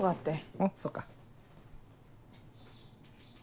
うんそっか。